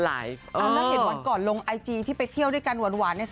แล้วเห็นวันก่อนลงไอจีที่ไปเที่ยวด้วยกันหวานเนี่ย